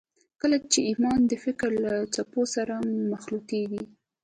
کله چې ايمان د فکر له څپو سره مخلوطېږي.